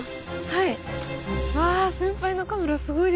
はい！